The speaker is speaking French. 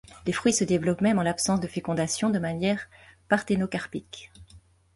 Les fruits se développent même en l'absence de fécondation, de manière parthénocarpique.